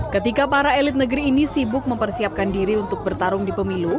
ketika para elit negeri ini sibuk mempersiapkan diri untuk bertarung di pemilu